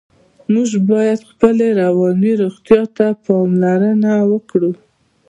موږ باید خپلې رواني روغتیا ته پاملرنه وکړو.